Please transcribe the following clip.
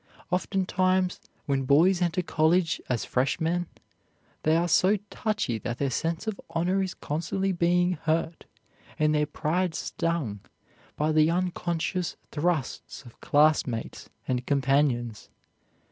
Oftentimes, when boys enter college as freshmen, they are so touchy that their sense of honor is constantly being hurt and their pride stung by the unconscious thrusts of classmates and companions.